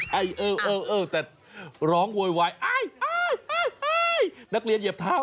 เออเออแต่ร้องโวยวายนักเรียนเหยียบเท้า